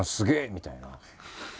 みたいな。